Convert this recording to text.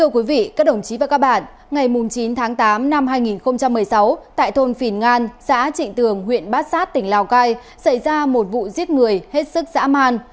các đồng chí và các bạn ngày chín tháng tám năm hai nghìn một mươi sáu tại thôn phìn ngan xã trịnh tường huyện bát sát tỉnh lào cai xảy ra một vụ giết người hết sức dã man